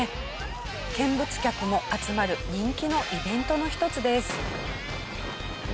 見物客も集まる人気のイベントの一つです。